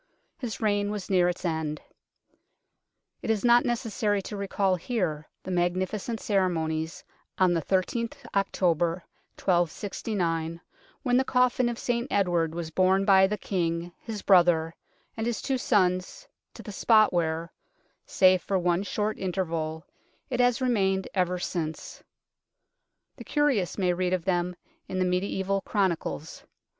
His reign was near its end. It is not necessary to recall here the magnificent ceremonies on the i3th October 1269, when the coffin of St Edward was borne by the King, his brother, and his two sons to the spot where, save for one short interval, it has remained ever since ; the curious may read of them in the mediaeval chronicles.